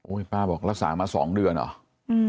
โอ้ยป้าบอกลักษามา๒เดือนหรอ